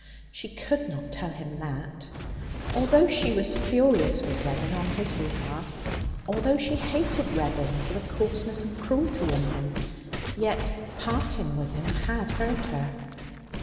She could not tell him that. Although she was furious with Reddin on his behalf, although she hated Reddin for the coarseness and cruelty in him, yet parting with him had hurt her.